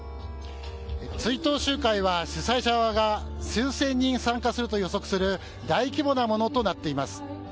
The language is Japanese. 追悼集会は主催者側が数千人参加すると予測する大規模なものとなっています。